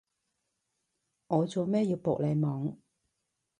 我做咩要搏你懵？